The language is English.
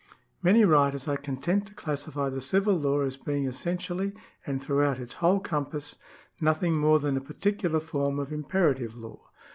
Many writers are content to classify the civil law as being, essentially and throughout its whole compass, nothing more t'lan a particular form of imperative law.